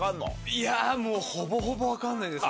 いやほぼほぼ分かんないです。